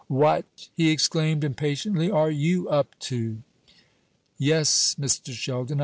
"What!" he exclaimed, impatiently, "are you up too?" "Yes, Mr. Sheldon.